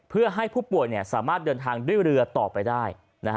เพื่อให้ผู้ป่วยสามารถเดินทางด้วยเรือต่อไปได้